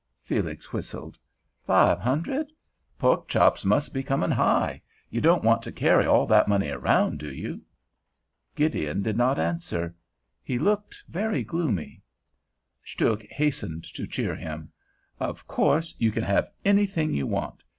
Felix whistled. "Five hundred? Pork chops must be coming high. You don't want to carry all that money around, do you?" Gideon did not answer; he looked very gloomy. Stuhk hastened to cheer him. "Of course you can have anything you want.